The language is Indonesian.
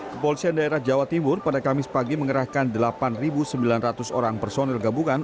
kepolisian daerah jawa timur pada kamis pagi mengerahkan delapan sembilan ratus orang personil gabungan